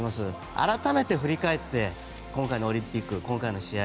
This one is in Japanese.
改めて振り返って今回のオリンピック、今回の試合